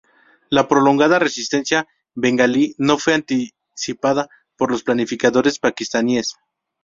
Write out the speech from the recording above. La prolongada resistencia bengalí no fue anticipada por los planificadores paquistaníes.